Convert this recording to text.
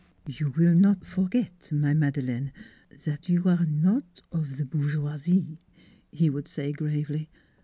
" You will not forget, my Madeleine, that you are not of the bourgeoisie," he would say gravely.